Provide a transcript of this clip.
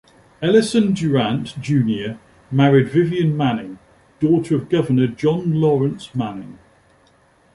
Ellison DuRant, Junior married Vivian Manning, daughter of Governor John Lawrence Manning.